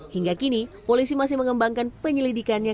hingga kini polisi masih mengembangkan penyelidikannya